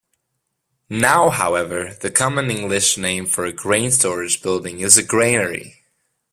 Now, however, the common English name for a grain storage building is granary.